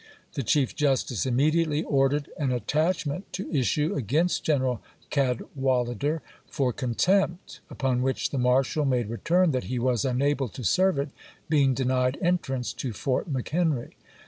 pp. 643, 644 The Chief Justice immediately ordered an attach ment to issue against General Cadwalader for con tempt ; upon which the marshal made return that he was unable to serve it, being denied entrance to Fort McHenry.